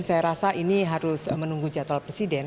saya rasa ini harus menunggu jadwal presiden